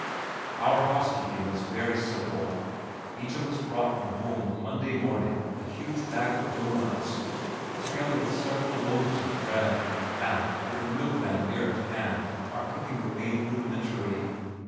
Our housekeeping was very simple. Each of us brought from home on Monday morning a huge bag of doughnuts together with several loaves of bread, and (with a milkman near at hand) our cooking remained rudimentary.